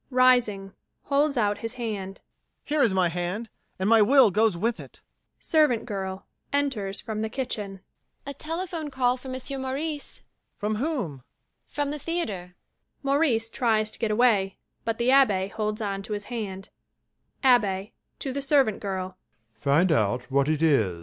[Rising, holds out his hand] Here is my hand, and my will goes with it. SERVANT GIRL. [Enters from the kitchen] A telephone call for Monsieur Maurice. MAURICE. From whom? SERVANT GIRL. From the theatre. (MAURICE tries to get away, but the ABBÉ holds on to his hand.) ABBÉ. [To the SERVANT GIRL] Find out what it is. SERVANT GIRL.